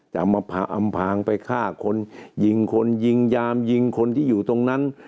จะมาอำพางไปฆ่าคนยิงคนยิงยามยิงคนที่อยู่ตรงนั้น